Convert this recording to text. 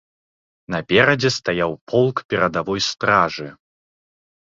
Наперадзе стаяў полк перадавой стражы.